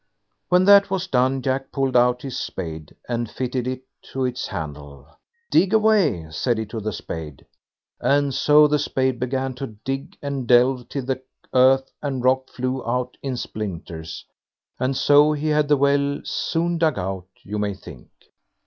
When that was done, Jack pulled out his spade, and fitted it to its handle. "Dig away!" said he to the spade; and so the spade began to dig and delve till the earth and rock flew out in splinters, and so he had the well soon dug out, you may think.